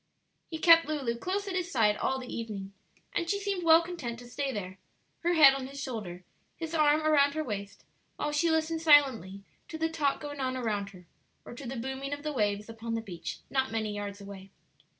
He kept Lulu close at his side all the evening, and she seemed well content to stay there, her head on his shoulder, his arm around her waist, while she listened silently to the talk going on around her or to the booming of the waves upon the beach not many yards away.